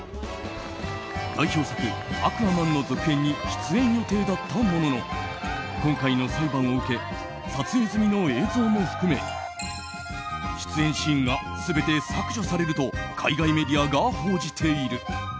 代表作「アクアマン」の続編に出演予定だったものの今回の裁判を受け撮影済みの映像も含め出演シーンが全て削除されると海外メディアが報じている。